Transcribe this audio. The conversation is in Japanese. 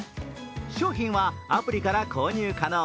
商品はアプリから購入可能。